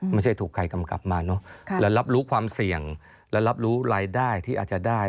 ไม่ใช่ถูกใครกำกลับมาเนอะและรับรู้ความเสี่ยงและรับรู้รายได้ที่อาจจะได้